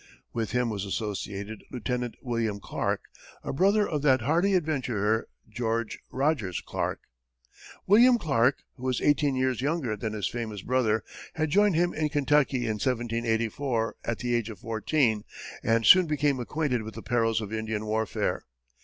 With him was associated Lieutenant William Clark, a brother of that hardy adventurer, George Rogers Clark. William Clark, who was eighteen years younger than his famous brother, had joined him in Kentucky in 1784, at the age of fourteen, and soon became acquainted with the perils of Indian warfare.